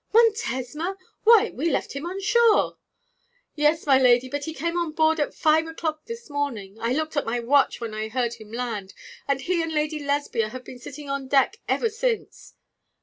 'Montesma! Why, we left him on shore!' 'Yes, my lady, but he came on board at five o'clock this morning. I looked at my watch when I heard him land, and he and Lady Lesbia have been sitting on deck ever since.'